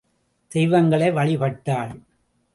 தெய்வங்களை வழி பட்டாள்.